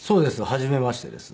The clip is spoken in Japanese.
はじめましてです